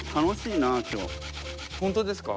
本当ですか？